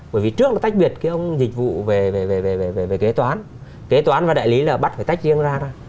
bởi vì trước nó tách biệt cái ông dịch vụ về kế toán kế toán và đại lý là bắt phải tách riêng ra thôi